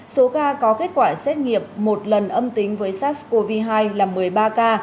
số ca có kết quả xét nghiệm một lần âm tính với sars cov hai là một mươi ba ca